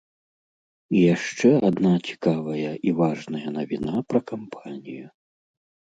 І яшчэ адна цікавая і важная навіна пра кампанію.